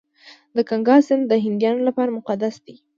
د ګنګا سیند د هندیانو لپاره مقدس دی.